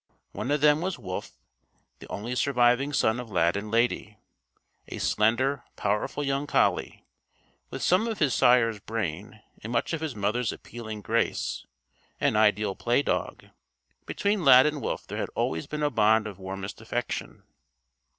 One of them was Wolf, the only surviving son of Lad and Lady a slender, powerful young collie, with some of his sire's brain and much of his mother's appealing grace an ideal play dog. Between Lad and Wolf there had always been a bond of warmest affection.